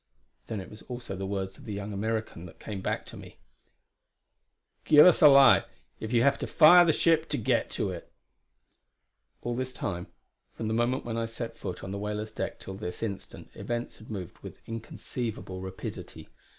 Then it was also that the words of the young American came back to me: "Give us a light, if you have to fire the ship to get it." All this time, from the moment when I had set foot on the whaler's deck till this instant, events had moved with inconceivable rapidity.